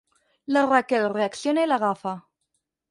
La Raquel reacciona i l'agafa.